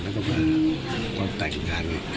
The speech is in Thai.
แล้วก็มาตัดแต่งงาน